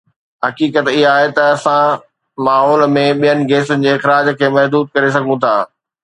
حقيقت اها آهي ته اسان ماحول ۾ ٻين گيسن جي اخراج کي محدود ڪري سگهون ٿا